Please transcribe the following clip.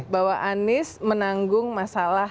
bahwa anies menanggung masalah